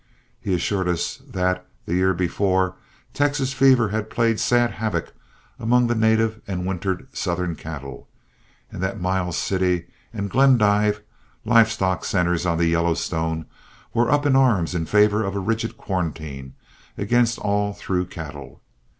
He assured us that the year before, Texas fever had played sad havoc among the native and wintered Southern cattle, and that Miles City and Glendive, live stock centres on the Yellowstone, were up in arms in favor of a rigid quarantine against all through cattle.